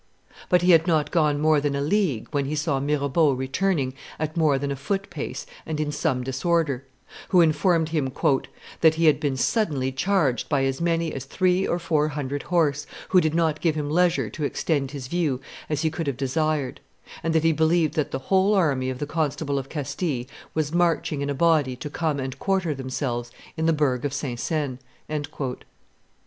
But he had not gone more than a league when he saw Mirebeau returning at more than a foot pace and in some disorder; who informed him "that he had been suddenly charged by as many as three or four hundred horse, who did not give him leisure to extend his view as he could have desired, and that he believed that the whole army of the Constable of Castille was marching in a body to come and quarter themselves in the burgh of Saint Seine."